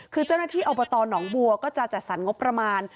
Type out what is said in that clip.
คือเจ้าหน้าที่อบตหนองบัวก็จะจัดสรรงบประมาณ